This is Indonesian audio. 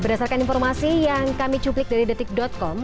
berdasarkan informasi yang kami cuplik dari detik com